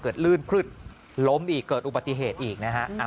ลื่นพลึดล้มอีกเกิดอุบัติเหตุอีกนะฮะ